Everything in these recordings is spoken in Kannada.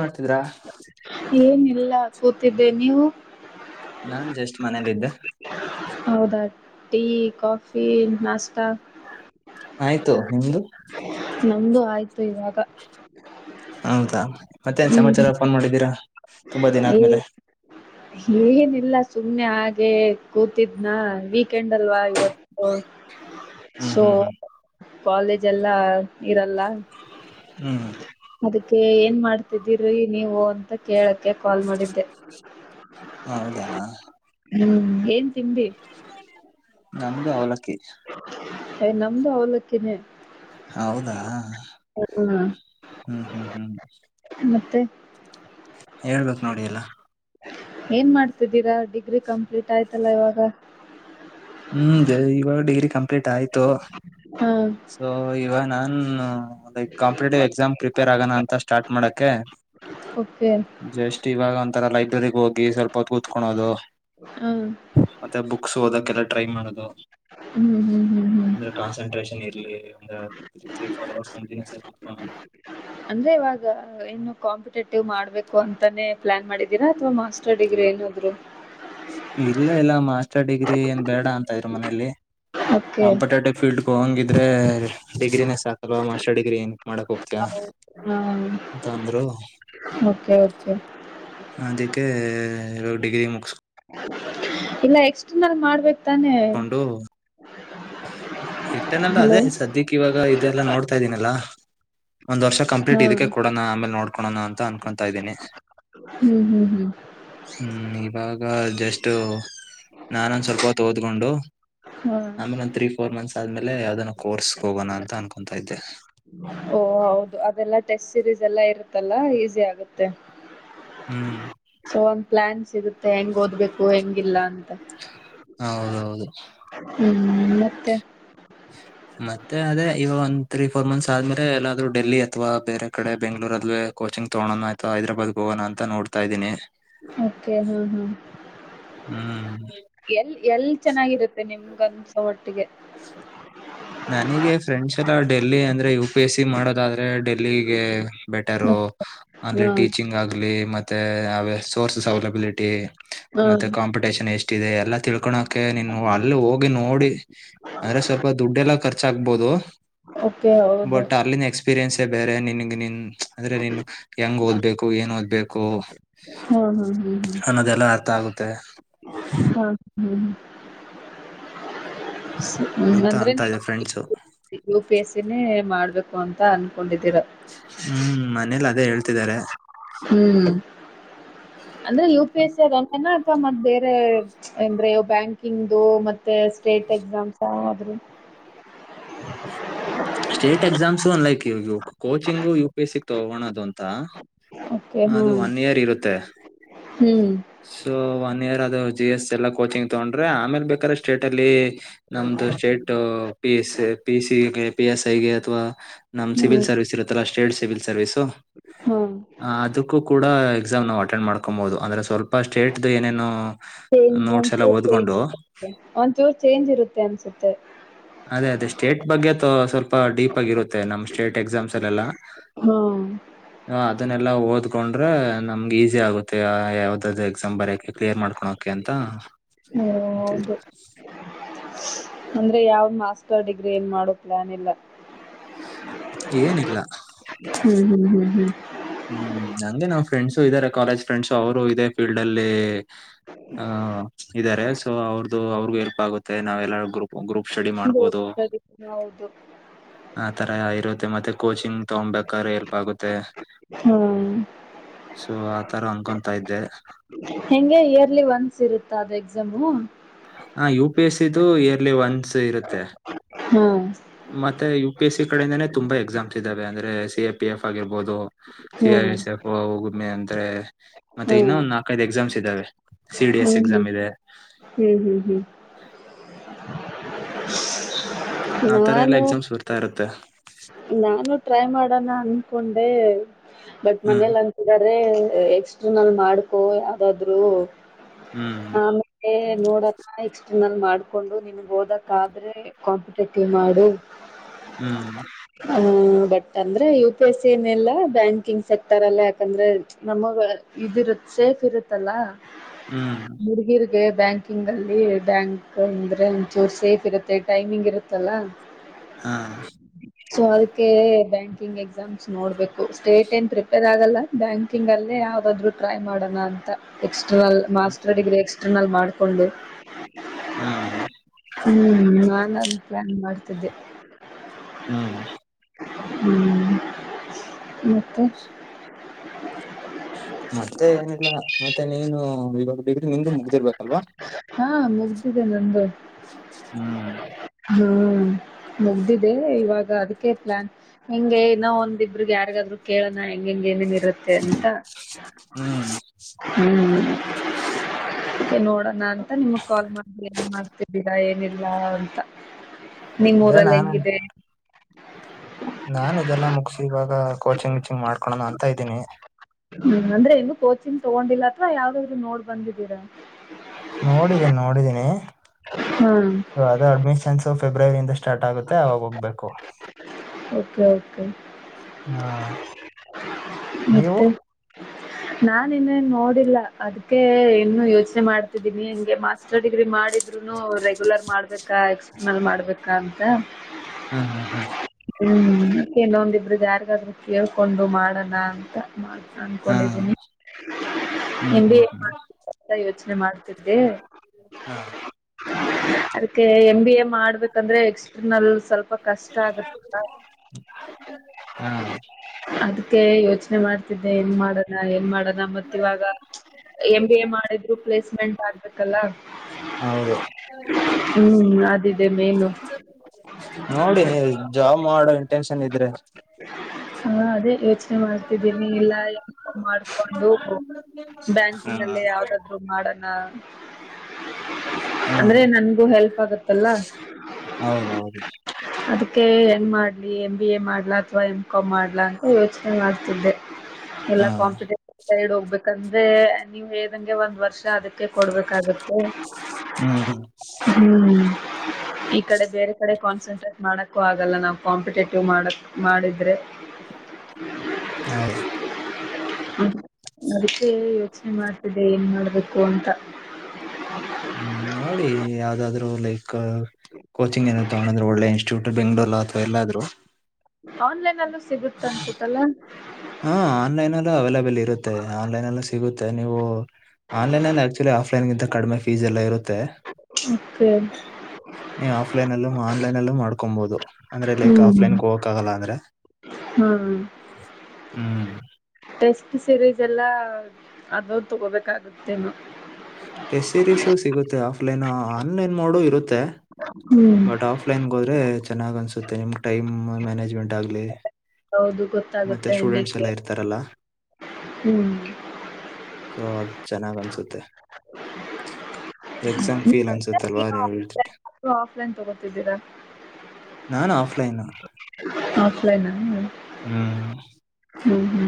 ಮಾಡ್ತಿದ್ರಾ ಏನಿಲ್ಲ ಕುತಿದ್ದೆ ನೀವು ನಾನ್ ಜ ಎಷ್ಟಟ್ ಮನಲ್ಲ ಇದಿದ್ದೆ ಹೌದತ ಟೀ ಕಾಫಿ ನಾಶ಼ ಆಯ್ತು ನಿಮ್ದು ಒಂದು ಆಯ್ತು ಇವಾಗ ಹೌದಾ ಮತ್ತೆನ್ ಹ್ಮ್ ಸಮಾಚಾರ ಫೋನ್ ಮಾಡಿದ್ದೀರಾ ತುಂಬಾ ದಿನ ಏ ಆದ್ಮೇಲೆ ಏನಿಲ್ಲ ಸುಮ್ಮನೆ ಹಾಗೆ ಕೂತಿದ್ನ ವೀಕೆಂಡ್ ಅಲ್ವಾ ಇವತ್ತು ಹ್ಮ್ ಸೋ ಹ್ಮ್ ಹ್ಮ್ ಕಾಲೇಜ್ ಎಲ್ಲಾ ಇರಲ್ಲ ಹ್ಮ್ ಅಕ್ಕೆ ಏನ್ ಮಾಡ್ತಿದ್ದೀರಿ ನೀವು ಅಂತ ಕೇಳ ಕಾಲ್ ಮಾಡಿದ್ದೆ ಹೌದಾ ಹ್ಮ್ ಏನ್ ತಿಂಡಿ ನಂಗು ಅವಲಕ್ಕೆ ಅಯ್ ನಮ್ದು ಅವಲಕ್ಕಿನ ಹೌದಾ ಹ್ಮ್ ಹ್ಮ್ ಹ್ಮ್ ತ್ತ ಹೇಳ್ಬೇಕು ನೋಡಿ ಎಲ್ಲ ಏನ್ ಮಾಡ್ತಿದ್ದೀರಾ ಡಿಗ್ರಿ ಕಂಪ್ಲೀಟ್ ಆಯ್ತಲ್ಲ ಇವಾಗ ಹ್ಮ್ [unintelligible] ಇವಾಗ ಡಿಗ್ರಿ ಕಂಪ್ಲೀಟ್ ಆಯ್ತು ಹಾ ಸೊ ಇವಗ ನಾನು ಹ ಲೈಕ್ ಕಾಂಪಿಟೇಟಿವ್ ಎಕ್ಸಾಮ್ ಪ್ರಿಪೇರ್ ಆಗೋಣ ಅಂತ ಸ್ಟಾರ್ಟ್ ಮಾಡಕ್ಕೆ ಓಕೆ ಜಸ್ಟ ಇವಾಗ ತರ ಲೈಬ್ರರಿಗ್ ಹೋಗಿ ಸ್ವಲ್ ಪೋತ್ ಕುತ್ಕೊಣೋದು ಹ್ಮ್ ಮತ್ತೆ ಬುಕ್ಸ್ ಓದಕ್ಕೆಲ್ಲ ಟ್ರೈ ಮಾಡೋದು. ಹ್ಮ್ ಹ್ಮ್ ಹ್ಮ್ ಹ್ಮ್ ಅಂದ್ರೆ ಕಾನ್ಸಂಟ್ರೇಷನ್ ಇ ಅಂದ್ರೆ ಥ್ರೀ ಫೋರ್ ಅವರ್ಸ್ ಕಂಟಿನ್ಯೂಸ್ ಆಗ್ ಕುತ್ಕೊಣೋದು. ಅಂದ್ರೆ ಇವಾಗ ಇನ್ನು ಕಾಂಪಿಟೇಟಿವ್ ಮಾಡ್ಬೇಕು ಅಂತಾನೇ ಪ್ಲಾನ್ ಮಾಡಿದ್ದೀರಾ ಅಥವಾ ಮಾಸ್ಟರ್ ಡಿಗ್ರಿ ಏನಾದ್ರು ಇಲ್ಲ ಇಲ್ಲ ಮಾಸ್ಟರ್ ಡಿಗ್ರಿ ಏನ್ ಬೇಡ ಅಂತ ಇದ್ರು ಮನೇಲಿ. ಓಕೆ ಕಾಂಪಿಟೇಟಿವ್ ಫೀಲ್ಡ್ ಗೆ ಹೋಗಂಗಿ ಅಂದ್ರೆ ಅದೇ ಡಿಗ್ರಿನೇ ಸಾಕಲ್ವಾ ಮಾಸ್ಟರ್ ಡಿಗ್ರಿ ಏನಕ್ ಮಾಡಕ್ ಹೋಗ್ತಿಯ ಹಾ ಅಂತ ಅಂದ್ರು ಓಕೆ ಓಕೆ ಅದಿಕ್ಕೆ ಇರೋ ಡಿಗ್ರಿ ಮುಗ್ಸ್ ಇಲ್ಲ ಎಕ್ಸ್ಟರ್ನಲ್ ಮಾಡ್ಬೇ ಕೊಂಡು ಎಕ್ಸ್ಟರ್ನಲ್ ಹಲೋ ಅದೇ ಸದ್ಯಕ್ ಇವಾಗ ಇದೆಲ್ಲ ನೋಡ್ತಾ ಇದ್ದೀನಲ್ಲ ಒಂದ್ ವರ್ಷ ಕಂಪ್ಲಟ್ ಹಾ ಇದಕ್ಕೆ ಕೊಡಣ ಆಮೇಲ್ ನೋಡ್ ಕೋಣನ ಅಂತ ಅನ್ಕೊಂತಾ ಇದೀನಿ. ಹ್ಮ್ ಹ್ಮ್ ಹ್ಮ್ ಹ್ಮ್ ಇವಾಗ ಜಸ್ಟು ನಾನೊಂದ್ ಸ್ವಲ್ಪ ಹೊತ್ತು ಹೋದ್ ದ್ಕೊಂಡು ಹಾ ಆಮೇಲೆ ಒಂದ್ ತ್ರೀ ಫೋರ್ ಮಂತ್ಸ್ ಅ ಆದ್ಮೇಲೆ ಯಾವ್ದಾನೋ ಕೋರ್ಸ್ ಗೋಗಣ ಅಂತ ಅನ್ಕೊಂತಾ ಇದ್ದೆ. ಓ ಹೌದು ಅದೆಲ್ಲ ಟೆಸ್ಟ್ ಸಿರೀಸ್ ಎಲ್ಲ ಇರುತ್ತಲ್ಲ ಈಸಿ ಆಗುತ್ತೆ. ಹ್ಮ್ ಸೊ ಒಂದ್ ಪ್ಲಾನ್ ಸಿಗುತ್ತೆ ಹೆಂಗ್ ಓದ್ಬೇಕು ಹೆಂಗಿಲ್ಲ ಅನ್ ಹೌದೌದು [inaudible] ಹ್ಮ್ ಮತ್ತೆ ಮತ್ತೆ ಅದೇ ಇವಾಗ ಒಂದ್ ತ್ರೀ ಫೋರ್ ಮಂತ್ಸ್ ಆದ್ಮೇಲೆ ಎಲ್ಲಾದ್ರು ಡೆಲ್ಲಿ ಅಥ್ವಾ ಬೇರೆ ಕಡೆ ಬೆಂಗ್ಳೂರಲ್ಲೇ ಕೋಚಿಂಗ್ ತಗೋಣನ ಅಯ್ತ್ವ ಹೈದ್ರಾಬಾದ್ಗೆ ಹೋಗೋಣ ಅಂತ ನೋಡ್ತಾ ಇದೀನಿ. ಓಕೆ ಹ್ಮ್ ಹ್ಮ್ ಹ್ಮ್ ಎಲ್ ಎಲ್ ಚೆನ್ನಾಗಿರುತ್ತೆ ನಿಮ್ ಗನ್ಸೊ ಮಟ್ಟಿಗೆ ನನಿಗೆ ಫ್ರೆಂಡ್ಶ್ ಲ ಡೆಲ್ಲಿ ಅಂದ್ರೆ ಯು ಪಿ ಎಸ್ ಸಿ ಮಾಡೋದಾದ್ರೆ ಡೆಲ್ಲಿಗೆ ಬೆಟರು ಅಲ್ಲಿ ಹ್ಮ್ ಟೀಚಿಂಗ್ ಆಗ್ಲಿ ಮ ಮತ್ತೆ ಅವೇ ಸೋರ್ಸಸ್ ಅವೈಲಬಿಲಿಟಿ ಮತ್ತೆ ಹ್ಮ್ ಕಾಂಪಿಟೇಷನ್ ಎಷ್ ಟ್ಟಿದೆ ಎಲ್ಲ ತಿಳ್ಕೊಣಕೆ ನೀನು ಅಲ್ಲಿ ಹೋಗಿ ನೋಡಿ ಅಂದ್ರೆ ಸ್ವಲ್ಪ ಎಲ್ಲ ಖರ್ಚಾಗ್ಬೋದು ಓಕೆ ಹೌದು ಬಟ್ ಅಲ್ಲಿನ್ ಎಕ್ಸ್ಪೀ ರಿಯನ್ಸೇ ಬೇರೆ ನಿನಗೆ ನಿನ್ ಆದ್ರೆ ನೀನು ಹೆಂಗ್ ಓದ್ಬೇಕು ಏನ್ ಓದ್ ಬೇಕು ಹಾ ಹಾ ಹ ಹ ತ್ತೆ ಹಾ ಹ್ಮ [inaudible] ಅಂತ ಅಂದ್ರೆ ಅಂತ ನೀ ಇದೆ ಫ್ರೆಂಡ್ಸು [unintelligible] ಯು ಪಿ ಎಸ್ಸಿ ನೆ ಮಾಡ್ಬೇಕು ಅಂತ ಅನ್ಕೊಂಡಿದ್ದೀರ. ಹ್ಮ್ ಮನೇಲ್ ಅದೇ ಹೇಳ್ತಿದ್ದಾರೆ. ಹ್ಮ್ ಅಂದ್ರೆ ಯು ಪಿ ಎಸ್ ಮ ಬೇರೆ ಏಂದ್ರೆ ಬ್ಯಾಂಕಿಂಗದು ಮತ್ತೆ ಸ್ಟೇಟ್ ಎಕ್ಸಾಮ್ ಆದ್ರೆ ಸ್ಟೇಟ್ ಎಕ್ಸಾಮ್ಸುನ್ like coaching U P S C ತಗೋಳೋದು ಅಂತ. ಓಕೆ ಅದು ಹ್ಮ್ ಒನ್ ಇಯರ್ ಇರುತ್ತೆ ಹ್ಮ್ ಸೊ ಒನ್ ಇಯರ್ ಅದು ಜಿ ಎಸ್ ಎಲ್ಲ ಕೋಚಿಂಗ ತಗೊಂಡ್ರ ಆಮೇಲೆ ಬೇಕಾರೆಷ್ಟ ಸ್ಟೇಟ್ ಅಲ್ಲಿ ನಮ್ದು state P S P C P S ಐಗೆ ಅಥವಾ ನಮ್ ಸಿವಲ್ ಹ್ಮ್ ಸರ್ವಿಸ್ ಇರುತ್ತಲ್ಲ ಸ್ಟೇಟ್ ಸಿವಿಲ್ ಸರ್ವ್ ಹ್ಮ್ ಅದಕ್ಕೂ ಕೂಡ ಎಸಾಮ ನವು ಅಟೆಂಡ್ ಮಾಡ್ಕೊಬುದು ಅಂದ್ರೆ ಸ್ವಪ ಚಂಜ್ ನೋಟ್ಸ್ ಎಲ್ಲ ಒಂಚೂರ್ ಚೇಂಜ್ ಓದ್ಕೊಂಡು ಇರುತ್ತೆ ಒಂಚೂರು ಚೇಂಜ್ ಇರುತ್ತೆ ಅನ್ಸುತ್ತೆ. ಅದೇ ಅದೇ ಸ್ಟೇಟ್ ಬಗ್ಗೆ ಸ್ವಲ್ಪ ಡೀಪ್ ಆಗಿ ಇರುತ್ತೆ ನಮ ಸ್ಟೇಟ್ ಎಕ್ಸಾಮ್ಸ್ಲಲ್ಲ ಹ್ಮ್ ಅದನ್ನೆಲ್ಲಾ ಓದ್ಕೊಂಡ್ರ ನಮ ಈ. ಆಗುತ್ತೆ ಯ ಎಕ್ಸಾಮ್ ಬರೆಯಕೆ ಕ್ಲಿಯರ್ ಮಾಡ್ಕೊಕೆ ಅಂತ ಹ್ಮ್, ಅಂತಿದ್ರು. ಹೌದು ಸರ್ ಡಿಗ್ರಿ ಏನು ಮಾಡೋ ಪ್ಲ್ಯಾನ್ ಇಲ್ಲ. ಏನಿಲ್ಲ ಹ್ಮ್ ಹ್ಮ್ ಹ್ಮ್ ಹ್ಮ್. ಹ್ಮ್ ಹಂಗೆ ನಾವ್ ಫ್ರೆಂಡ್ಸು ಇದಾರೆ ಕಾಲೇಜ್ ಫೆಂಡ್ಸು ಅವರು ಇದೇ ಫೀಲ್ಡ್ ದಲ್ಲಿ ಹ್ಞಾಂ ಇದಾರೆ ಸೋ ಅವ್ರ್ ಅದು ಅವ್ರ್ಗೂ ಹೆಲ್ಪ್ ಆಗುತ್ತೆ ನಾವೆಲ್ಲರು ಗ್ರೂಪ್ ಗ್ರೂಪ್ ಸ್ಟಡಿ ಮಾಡ್ಬೋದು, ಹೌದು ಆ ತರ ಆ ಇರುತ್ ಮತ್ತೆ ಮತ್ತೆ ಕೋಚಿಂಗ್ ತಗೊಂಬೇಕಾದ್ರೆ ಹೆಲ್ಪ್ ಆಗುತ್ತೆ ತಾ. ಇದು ಆತರ ಅನ್ಕೊಂತಾ ಇದ್ದೆ. ಹೆಂಗೆ ಇಯರ್ಲಿ ವನ್ಸ್ ಇರುತ್ತಾ ಅದು ಎಕ್ಸಾಮು? ಹಾ ಯುಪಿಎಸ್ಸಿದು ಇಯರ್ರ್ಲಿ ವನ್ಸ್ ಇರುತ್ತೆ ಹಾ ಹ್ಮ್ ಮತ್ತೆ ಯು ಪಿಸಿ ಕಡೆಯಿಂದಾನೆ ತುಂಬಾ ಎಕ್ಸಾಮ್ಸ್ ಇದಾವೆ ಅಂದ್ರೆ ಸಿಎಪಿಫ್ ಆಗಿರ್ ಬೋದು ಹ್ಮ್ ಸಿಐಎಸ್ಎಫ್ ಹೋ ಹೋಗುದ್ ಮೆ ಅಂದ್ರೆ ಮತ್ತೆ ಇನ್ನ ಹ್ಮ್ ಒಂದ್ ನಾಲ್ಕ್ ಐದ್ ಎಕ್ಸಾಮ್ [unintelligible] ಇದಾವೆ. ಸಿ ಡಿ ಎಸ್ ಹ್ಮ್ ಎಕ್ಸಾಮ್ ಇದೆ. ಹ್ಮ್ ಹ್ಮ್ ಹ್ಮ್ ಆತರ ಎಲ್ಲ ನಾನು ಎಕ್ಸಾಮ್ಸ್ ಬರ್ತಾ ಇರತ್ತೆ. ತ್ತೆ. ನಾನು ಟ್ರೈ ಮಾಡೋಣ ಅಂದ್ಕೊಂಡೆ. ಬಟ್ ಹ್ಮ್ ಮನೇಲಿ ಅಂತಿದ್ದಾರೆೆ. ಎಕ್ಸ್ಟರ್ನಲ್ ಮಾಡ್ಕೊ ಯಾವುದಾದ್ರೂ. ಹ್ಮ್ ಆಮೇಲೆ ನೋಡ [unintelligible] ಮಾಡ್ಕೊಂಡು ನಿನಗ್ ಓದಕ್ ಆದ್ರೆ ಕಾಂಪಿಟೇಟಿವ್ ಮಾಡು. ಹ್ಮ್. ಹ ಬಟ್ ಅಂದ್ರೆ ಯು ಪಿ ಎಸ್ಸ ನ್ ಎಲ್ಲ ಬ್ಯಾಂಕಿಂಗ್ ಸೆಕ್ಟರ್ ಅಲ್ಲ ಯಾಕಂದ್ರೆ ನಮಗ ಇದಿರುತ್ತ ಸೇಫ್ ಇರುತ್ತಲ್ಲ. ಹ್ಮ್. ಹುಡುಗಿರ್ಗೆ ಬ್ಯಾಂಕಿಂಗ್ ಅಲ್ಲಿ ಬ್ಯಾಂಕ್ ಅಂದ್ರೆ ಒಂಚೂರು ಸೇಫ್ ಇರುತ್ತೆ ಟೈಮಿಂಗ್ ಇರುತ್ತಲ್ಲ. ಹಾ. ಸೊ ಅದಕ್ಕೆ ಬ್ಯಾಂಕಿಂಗ್ ಎಕ್ಸಾಮ್ಸ್ ನೋಡ್ಬೇಕು ಸ್ಟೇಟ್ ಏನ್ ಪ್ರಿಪೇರ್ ಆಗಲ್ಲ ಬ್ಯಾಂಕಿಂಗ್ ಅಲ್ಲೇ ಯಾವದಾದ್ರು ಟ್ರೈ ಮಾಡೋಣ ಅಂತ ಎಕ್ಸ್. ಹಾ ಮಾಸ್ಟರ್ ಡಿಗ್ರಿ ಎಕ್ಸ್ ಅಮಲ್ ಮಾಡಿಕೊಂಡು ಹ್ಮ್ ಹ್ಮ್ ನಾನದು ಪ್ಲಾನ್ ಮಾಡ ತಿದೆ. ಹ್ಮ. ಹ್ಮ್ ಮತ್ತೆ. ಮತ್ತೆ ಏನಿಲ್ಲ ಮತ್ತೆ ನೀನು. ಹ ಡಿಗ್ರಿ ನಿಂದುು ಮುಗ್ದಿರ್ಬೇಕಲ್ವಾ ಹಾ ಮುಗ್ದಿದೆ ನಂದು ಹ್ಮ್ ಹ್ಮ್ ಮುಗ್ದಿದೆ ಇವಾಗ ಅದಕ್ಕೆ ಪ್ಲಾನ್ ಹೆಂಗೆ ಇನ್ನೋ ಒಂದಿಬ್ರಿಗೆ ಯಾರಿಗಾದ್ರು ಕೇಳೋಣ ಹೆಂಗ ಹೆಂಗ ಅಂತ ಹ್ಮ್ ಹ್ಮೆ ನೋಡೋಣ ಅಂತ ನಿಗ್ ಕಾಲ್ ಮಾಡ ಏನ್ ಮಾಡ್ತಿದ್ದೀರಾ ಏ ಎಲ್ಲ ಅಂತ ನಿಮ್ಮ ೂರಲ್ಲಿ ಹೆಂಗಿದೆ ನಾಾನ ಜಲ್ಲ ಮುಕ್ಿಸಿ ಬ ಇ ಕೋಚಂಗ್ ವಿಚಿ್ ಮಾಡ್ಕೋಣ ಹತಾ ಇದ್ದೀನಿ ಹ್ಮ ಅಂದ್ರೆ ಇನ್ನುೂ ಕೋಚಿಂಗ್ ತಗೊಂಡಿಲ್ಲ ಅಥವಾ ಯಾವ್ದಾದ್ರು ನೋಡ್ ಬಂದಿದ್ದೀರಾ ನೋಡಿದೀನಿ ನೋಡಿದ್ದೀನಿ ಹ್ಮ್ ಅದು ಅಡ್ಮಿಷನ್ ಸೊ ಫೆಬ್ರವರಿಯಿಂದ ಸ್ಟಾರ್ಟ್ ಆಗುತ್ತೆ ಆಾಗ ಹೋಗ್ಬೇಕು ಓಕೆ ಓಕೆ ಹಾ ನೀವು ನಾ ಇನ್ನೇನ್ ನೋಡಿಲ್ಲ ಅದ್ಕ ಇನ್ನು ಯೋಚನೆ ಮಾಡ್ತಿದ್ದೀನಿ ಹೆಂಗೆ ಮಾಸ್ಟರ್ ಡಿಗ್ರಿ ಮಾಡಿದ್ರುನು ರೆಗ್ಯುಲರ್ ಮಾಡ್ಬೇಕಾ ಎಕ್ಸ್ಟರ್ನಲ್ ಮಾಡ್ಬೇಕಾ ಅಂತ ಹ್ಮ್ ಹ್ಮ್ ಹ್ಮ್ ಹ್ಮ್ ಇನ್ನೊಂದಿಬ್ರ ಯಾರಿಗಾದ್ೂ ಕೇಳ್ಕೊಂಡು ಮಾಡೋಣ ಅಂತ ಅನ್ಕೊಂಡನಿ ಹ್ಮ್ ಹ್ಮ್ ಹ್ಮ್ ಹ್ಮ್ ಯೋಚನೆ ಮಾಡ್ತಿದ್ದೆ ಹಾ ಅದಕ್ಕೆ ಎ ಬಿ ಎ ಮಾಡ್ಬೇಕ ಂದ್ರೆ ಎಕ್ಸ್ಟರ್ನಲ್ ಸ್ವಲ್ಪ ಕಷ್ಟ ಆಗುತ್ತೆ ಹಾ ಅದಕ್ಕೆ ಯೋಚನೆ ಮಾಡ್ತಿದ್ದೆ ಏನ್ ಮಾಡಣ ಏನ್ ಮಾಡ ತ್ ಇವಾಗ ಎ ಬಿ ಎ ಮಾಡಿದ್ರು ಪ್ಲೇಸ್ಮೆಂಟ್ ಆಗ್ಬೇಕಲ್ಲ ಹೌದು ಹ್ಮ ಅದಿದೆ ಮೇ ಮಾಡಟೆನ್ಷನ್ ಇದ್ರೆ ನಮ್ಮ ಅ ೆ ಮಾಡ್ತಿದ್ದೀನಿ ಇಲ್ಲ ಮಾಡ್ಕೊಂಡು ಹಾ ಬ್ಯಾಂಕಿಂಗ್ ನಲ್ಲಿ ಯಾವ್ದಾದ್ರು ಮಾಡಣ ಹಾ ಅಂದ್ರೆ ನನ್ಗೂ ಹೆಲ್ಪ್ ಆಗತ್ತಲ್ಲ ಹೌದೌದು ಅದ ಏನ್ ಮಾಡ್ಲಿ ಎ್ ಬಿ ಎ ಮಾಡ್ಲಾ ಅಥವಾ ಎಮ್ ಕಾಾಮ್ ಮಾಡ್ಲಾ ಅಂತ ಯೋಚನೆ ಮಾಡ್ತಿದ್ದೆ ಎಲ್ಲ ಹಾ ಹ್ಮ್ ಕಾಂಪಿಟ್ ಸೈಡ್ ಹೋಗ ಬಂದ್ರೆ ನೀವ್ ಹೇಳ್ದಂಗೆ ಒಂದ್ ವರ್ಷ ಅದಕ್ಕೆ ಕೊಡ್ಬೇಕಾಗತ್ತೆ ಹ್ಮ್ ಹ್ಮ್ ಹ ಈ ಕಡೆ ಬೇರೆ ಕಡೆ ಕಾನ್ಸೆಂಟ್ರೇಟ್ ಮಾಡ ಆಗಲ್ಲ ನಾವು ಕಾಂಪಿಟೇಟಿವ್ ಮಾಡಕ್ ಮಾಡಿದ್ರೆ. ಹೌದು. ಅದಕ್ಕೆ ಯೋಚನೆ ಮಾಡ್ತಿದ್ದೆ ಏನ್ ಮಾಡ್ಬೇಕು ಅಂತ. ಹ್ಮ್ ನೋಡಿ ಯಾವ್ದಾದ್ರು ಲೈಕ್. ಕೋಚಿಂಗ್ ಏನ ತಗೋಂದ್ರೆ ಒಳ್ಳೆ ಇನ್ಸ್ಟಿಟ್ಯೂಟ್ ಬೆಂಗಂಗಳೂರು ಅಥವಾ ಎಲ್ಲಾದ್ರೂ ಆನ್ಲೈನ್ ಅಲ್ಲು ಸಿಗುತ್ತ ಅನ್ಸತ್ತಲ್ಲ. ಹಾ ಆನ್ಲೈನಲ್ಲೂ ಅವೈಲಬಲ್ ಇರುತ್ತೆ ಆನ್ಲೈನ್ ನಲ್ಲೂ ಸಿಗುತ್ತೆ ನೀವು ಆನ್ಲೈನ್ ಆಕ್ಚುಲಿ ಆಫ್ಲೈನ್ಗಿಂತ ಕಡಿಮೆ ಫೀಸ್ ಎಲ್ಲ ಇರುತ್ತೆ. ಓಕೆ. ಆಫ್ಲೈನ್ಲಾಲೂ ಆನ್ಲೈನ್ಲೂ ಮಾಡ್ಕೊಬಹುದು. ಅಂದ್ರೆ ಲೈಕ್ ಆಫ್ಲೈನ್ಗೆ ಹೋಗಕ್ ಆಗಲ್ಲ ಅಂದ್ರೆ. ಹಾ ಹ್ಮ್ ಸ್ಟ್ ಸರೀಸ್ ಎಲ್ಲ ಅದದು ತಗೋಬೇಕಾಗುತ್ತೆ. ಟೆಸ್ಟ್ ಸಿರಸು ಸಿಗುತ್ತೆ. ಆಪ್ಲೈನ್ ಆನ್ಲೈನ್ ಮೂಡು ಇರುತ್ತೆ. ಹ್ಮ್ ಬಟ್ ಆಫ್ಲೈನ್ ಹೋದ್ರೆ ಚೆನ್ನ್ ಅನ್ಸುತ್ತೆ ನಿಮ್ ಟೈಮ್. ಮ್ಯಾನೇಜ್ಮೆಂಟ್ ಆಗಲಿ. ಹೌದು ಗೊತ್ತಾಗುತ್ತೆ ಹೆಂಗೆಂಗೆ ಇರ್ತಾರಲ್ಲ ಹ್ಮ್. ಸೊ ಅದ್ ಚೆನ್ನಾಗ್ ಅನ್ಸುತ್ತೆ. ಎಕ್ಸಂ ಫೀಲ್ ಅನ್ಸುತ್ತೆ ಅಲ್ವಾ ಆಫ್ಲೈನ್ ತಗೋತಿದ್ದೀರಾ ನಾನು ಆಫ್ಲೈನ್. ಆಫ್ಲೈನ್ ನಾ. ಹ್ಮ್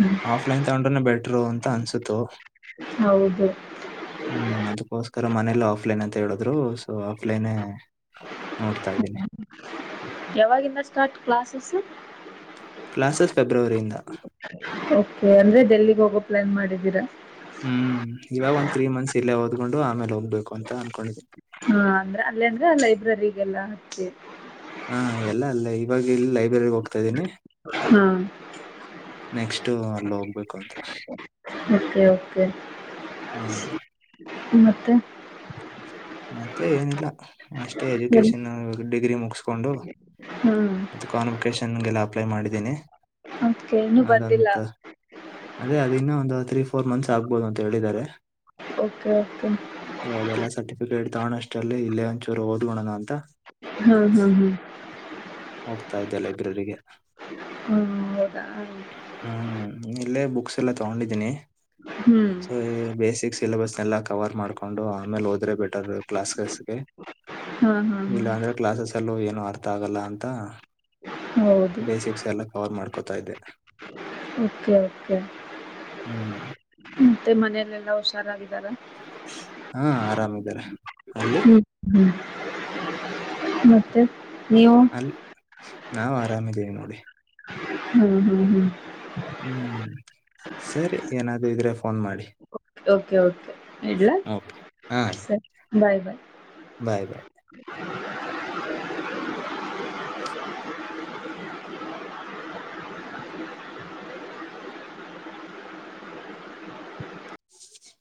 ಹ್ಮ್ ಆಫ್ಲೈನ್ ತಗೊಂಡ್ರ ಬೆಟ್ ಬೆಟ್ರೂ ಅಂತ ಅನ್ಸತು. ಹೌದು ಹ್ಮ್ ಅದುಕೋಸ್ ತರ ಮನೆಯಲ್ಲ ಆಫ್ಲೈನ್ ಅಂತ ಹೇಳಿದ್ರು ಸೊ ಆಫ್ಲೈನೆ ನೋಡ್ತಾ ಇದ್ದೀನಿ ಯಾವಾಗಿಂದ ಸ್ಟಾರ್ಟ್ ಕ್ಲಾಸಸ್ ಕ್ಲಾಸಸ್ ಫೆಬ್ರವರಿಯಿಂದ ಓಕೆ ಅಂದ್ರೆ ಡೆಲ್ಲಿಗೆ ಹೋಗೋ ಪ್ಲಾನ್ ಮಾಡಿದ್ದೀರಾ ಹ್ಮ್ ಇವಾಗಂತ ತ್ರೀ ಮಂತ್ಸ್ ಇಲ್ಲೇಓದ್ೊಂಡು ಆಮೇಲೆ ಹೋಗ್ಬೇಕು ಅಂತ ಅನ್ಕೊಂಡಿದೆ ಹಾ ಅಂದ್ರೆ ಅಲ್ಲ ಅಂದ್ರೆ ಲೈಬ್ರರಿಗೆಲ್ಲಾ ಹಚ್ಚಿ ಹಾ ಎಲ್ಲ ಅಲ್ಲ ಈ ಇವಾಗ ಇಲ್ಲ [unintelligible] ಲೈಬ್ರರಿ ಹೋಗ್ತಾ ಇದ್ದೀನಿ ಹಾ ನೆಕ್ಸ್ಟ್ ಅಲ್ಲಿ ಹೋಗ್ಬೇಕು ಅಂತ ಓಕೆ ಓಕೆ ಹ್ಮ ಮತ್ತೆ ಮತ್ತೆ ಏನಿಲ್ಲ ಅಷ್ಟೇ ಎಜುಕೇಷನ್ ಡಿಗ್ರಿ ಮುಗಿಸ್ಕೊಂಡು ಹ್ಮ್ ಮತ್ತು ಕ್ವಾನಿಫಿಕೇೇಶನ್ಗೆಲ್ಲ ಅಪ್ಲೈ ಮಾಡಿದ್ದೀನಿ ಓಕೆ ಇನ್ನು ಬಂದಿಲ್ಲ ಅದಂತ ಅದೇ ಅದ ಇನ್ನೂ ಒಂದು ತ್ರೀ ಫೋರ್ ಮಂತ್ಸ್ ಆಗ್ಬೋದು ಅಂತ ಹೇಳಿದ್ದಾರೆ ಓಕೆ ಓಕೆ ಸೊ ಅದೆಲ್ಲ ಸರ್ಟಿಫ ತಾಣ ಅಷ್ಟಲ್ಲಿ ಇಲ್ಲೇ ಒಂಚೂರು ಒಡ್ಕೊಳೊಣ ಅಂತ ಹಾ ಹಾ ಹಾ ಹೋಗ್ತಾ ಇದೆ ಲೈಬ್ರರಿಗೆ ಹ್ಮ್ ಹೌದಾ ಹ್ಮ ಇಲ್ಲೇ ಬುಕ್ಸ್ ಎಲ್ಲ ತಗೊಂಡಿದೀನಿ ಹ್ಮ್ ಬೇಸಿಕ್ ಸಿಲೆಬಸ್ ಕವರ್ ಮಾಡ್ ಕೊಂಡು ಆಮೇಲೆೋದ್ರೆ ಬೆಟ್ ಕ್ಲಸ್ಗೆ ಹಾ ಹಾ ಇಲ್ಲ ಹಾ ಅಂದ್ರೆ ಕ್ಲಾಸಸ್ಲ್ಲ ಅರ್ಥ ಆಗಲ್ಲ ಅಂತ ತ್ತ ಹೌದು ಬೇಸಿಕ್ಸ್ ಎಲ್ಲ ಕವರ್ ಮಾಡ್ತ ಗೊತ್ತಾ ಇದೆ ಓಕೆ ಓಕೆ ಹ್ಮ್ ಹ್ಮ್ಮ್ ಮತ್ತ ಮನೇಲೆಲ್ಲ ಹುಷಾರಾಗಿ ಹ್ಮ ಹಾ ಆರಾಮಿದ್ದಾರೆ ಅಲ್ಲಿ ಹ್ಮ್ ಮತ್ತೆ ನೀವು ಅಲ್ಲಿ ನಾವು ಆರಾಮಿದ್ದೀವಿ ನೋಡಿ ಹ್ಮ್ ಹ್ಮ್ ಹ್ಮ್ ಹ್ಮ್ ಸರಿ ಏನಾದ್ರೂ ಇದ್ರೆ ಫೋನ್ ಮಾಡಿ ಓಕೆ ಕೆ ಇಡ್ಲ ಓಕೆ ಹಾಂ ಸರಿ ಬಾಯ್ ಬಾಯ್ ಬಾಯ್ ಬಾಯ್